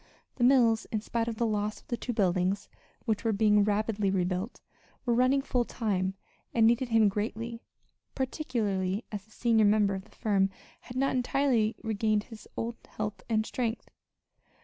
The mills, in spite of the loss of the two buildings (which were being rapidly rebuilt) were running full time, and needed him greatly, particularly as the senior member of the firm had not entirely regained his old health and strength.